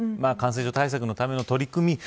感染症対策のための取り組み